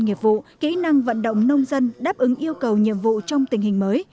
nghiệp vụ kỹ năng vận động nông dân đáp ứng yêu cầu nhiệm vụ trong tình hình mới